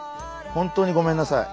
本当にごめんなさい。